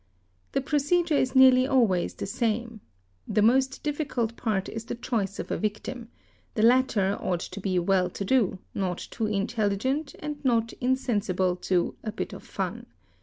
The procedure is nearly always the same. The most difficult part is the choice of a victim; the latter ought to be well to do, not too intelligent, and not { insensible to "a bit of fun".